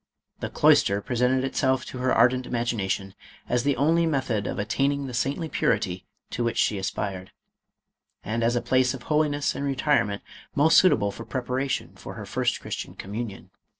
The cloister presented itself to her ardent imagination as the only method of attaining the saintly purity to which she as pired, and as a place of holiness and retirement most suitable for preparation for her first Christian commu nion.